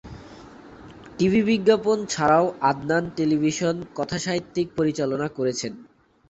TV বিজ্ঞাপন ছাড়াও Adnan television কথাসাহিত্যিক পরিচালনা করেছেন।